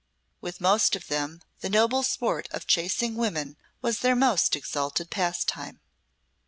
With most of them, the noble sport of chasing women was their most exalted pastime.